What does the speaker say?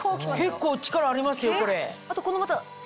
結構力ありますよこれ。